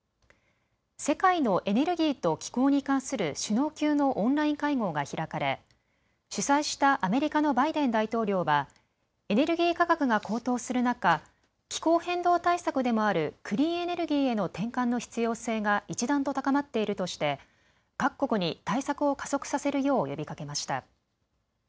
世界のエネルギーと気候に関する首脳級のオンライン会合が開かれ主催したアメリカのバイデン大統領はエネルギー価格が高騰する中、気候変動対策でもあるクリーンエネルギーへの転換の必要性が一段と高まっているとして各国に対策を加速させるよう呼びかけました。